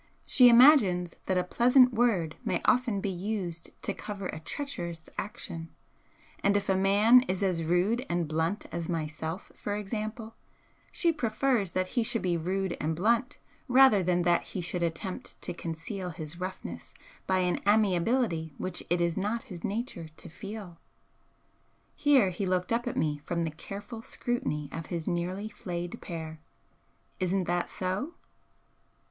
She imagines that a pleasant word may often be used to cover a treacherous action, and if a man is as rude and blunt as myself, for example, she prefers that he should be rude and blunt rather than that he should attempt to conceal his roughness by an amiability which it is not his nature to feel." Here he looked up at me from the careful scrutiny of his nearly flayed pear. "Isn't that so?"